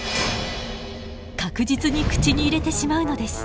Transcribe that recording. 確実に口に入れてしまうのです。